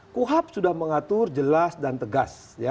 kuhap sudah mengatur jelas dan tegas